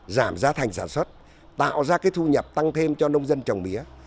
giảm giá thành sản xuất tạo ra cái thu nhập tăng thêm cho nông dân trồng mía